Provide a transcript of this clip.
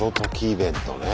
イベントね。